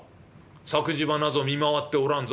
作事場なぞ見回っておらんぞ」。